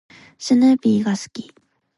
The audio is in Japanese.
スヌーピーが好き。